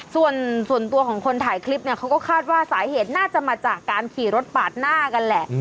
ส่วนตัวของคนถ่ายคลิปเนี่ยเขาก็คาดว่าสาเหตุน่าจะมาจากการขี่รถปาดหน้ากันแหละ